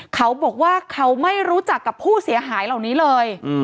เขาบอกว่าเขาไม่รู้จักกับผู้เสียหายเหล่านี้เลย